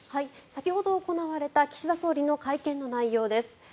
先ほど行われた岸田総理の会見の内容です。